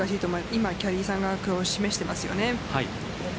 今、キャディーさんが示していますよね。